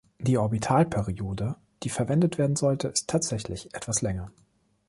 Die Orbitalperiode, die verwendet werden sollte, ist tatsächlich etwas länger.